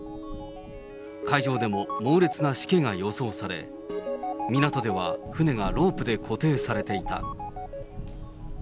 海上でも猛烈なしけが予想され、港では船がロープで固定されていた。